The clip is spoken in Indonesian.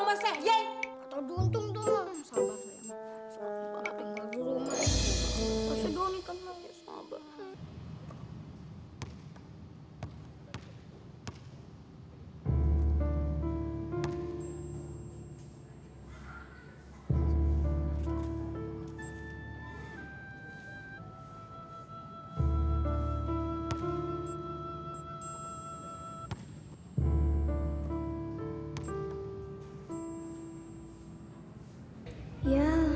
ah ganggu orang aja